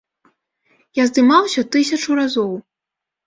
Я здымаўся тысячу разоў!